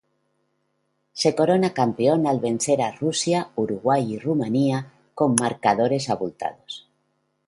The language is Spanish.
Se corona campeón al vencer a Rusia, Uruguay y Rumania con marcadores abultados.